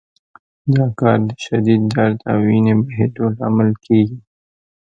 دا کار د شدید درد او وینې بهېدو لامل کېږي.